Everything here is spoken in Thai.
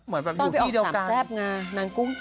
ต้องไปออกสำแซ่บงานากุ้ง